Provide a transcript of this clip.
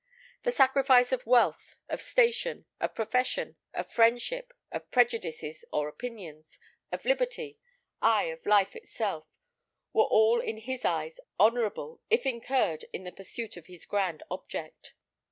The sacrifice of wealth, of station, of profession, of friendship, of prejudices or opinions, of liberty, ay, of life itself, were all in his eyes honourable, if incurred in the pursuit of his grand object.